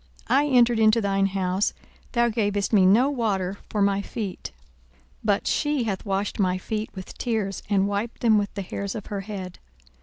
I entered into thine house, thou gavest me no water for my feet: but she hath washed my feet with tears, and wiped them with the hairs of her head.